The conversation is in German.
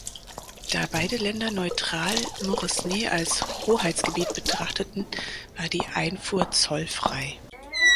Da beide Länder Neutral-Moresnet als Hoheitsgebiet betrachteten, war die Einfuhr zollfrei.